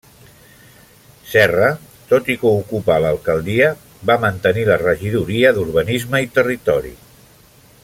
Serra, tot i ocupar l'alcaldia, va mantenir la regidoria d'Urbanisme i Territori.